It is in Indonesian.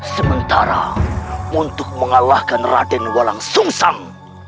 sementara untuk mengalahkan raden walang sung sang